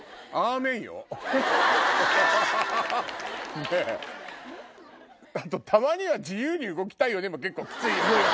あと「たまには自由に動きたいよね」も結構きつい。